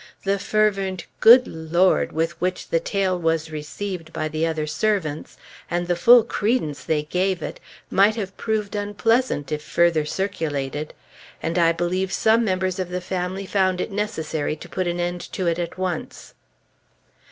The fervent "Good Lord" with which the tale was received by the other servants, and the full credence they gave it, might have proved unpleasant if further circulated; and I believe some members of the family found it necessary to put an end to it at once.